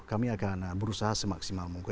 kami akan berusaha semaksimal mungkin